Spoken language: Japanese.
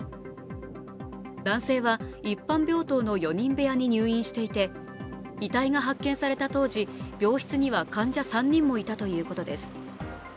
男性は一般病棟の４人部屋に入院していて遺体が発見された当時、病室には患者３人もいたということです。